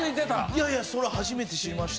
いやいやそれ初めて知りました。